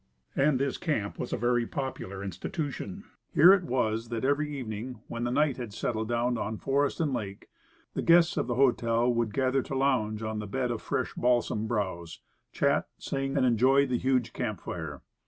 And this camp was a very popular institution. Here it was that every evening, when night had settled down on forest and lake, the guests of the hotel would gather to lounge on the bed of fresh balsam browse, chat, sing and enjoy the huge camp fire.